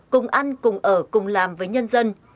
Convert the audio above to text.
cùng ăn cùng ở cùng làm với nhân dân